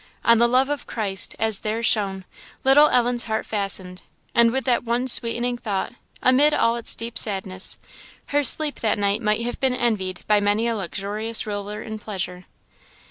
On the love of Christ, as there shown, little Ellen's heart fastened; and with that one sweetening thought, amid all its deep sadness, her sleep that night might have been envied by many a luxurious roller in pleasure.